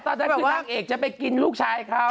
ตอนนั้นคือนางเอกจะไปกินลูกชายเขา